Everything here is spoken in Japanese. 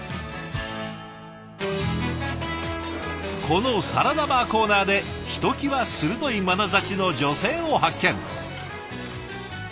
このサラダバーコーナーでひときわ鋭いまなざしの女性を発見。